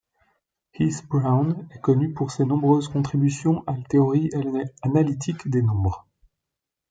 Heath-Brown est connu pour ses nombreuses contributions à la théorie analytique des nombres.